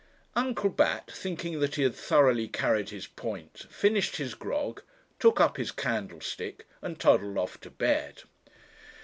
Uncle Bat, thinking that he had thoroughly carried his point, finished his grog, took up his candlestick, and toddled off to bed.